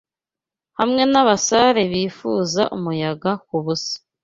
Hamwe nabasare bifuza umuyaga kubusa